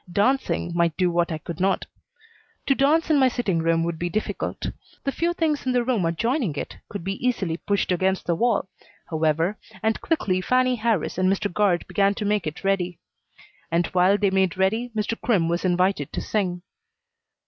Dancing might do what I could not. To dance in my sitting room would be difficult. The few things in the room adjoining it could be easily pushed against the wall, however, and quickly Fannie Harris and Mr. Guard began to make it ready. And while they made ready, Mr. Crimm was invited to sing.